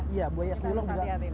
iya buaya senyelung